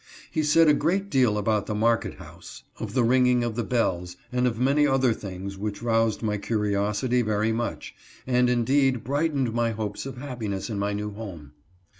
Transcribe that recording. He said a great deal about the Mar ket house ; of the ringing of the bells, and of many other things which roused my curiosity very much, and in deed brightened my hopes of happiness in my new home.